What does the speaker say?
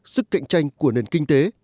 sức cạnh tranh của nền kinh tế